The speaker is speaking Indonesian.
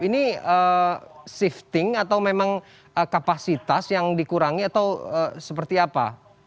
ini shifting atau memang kapasitas yang dikurangi atau seperti apa